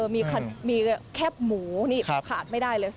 มีแคบหมูนี่ขาดไม่ได้เลย